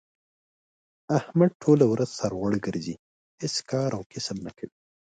احمد ټوله ورځ سر غوړ ګرځی، هېڅ کار او کسب نه کوي.